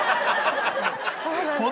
そうなんですね。